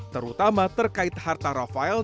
terutama terkait harta rafael